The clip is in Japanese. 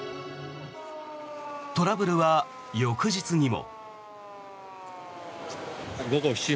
トラブルは翌日にも。